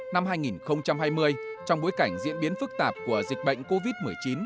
năm hai nghìn hai mươi trong bối cảnh diễn biến phức tạp của dịch bệnh covid một mươi chín